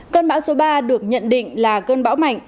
cơn bão số ba được nhận định là cơn bão mạnh